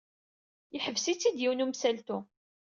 Yeḥbes-itt-id yiwen n umsaltu.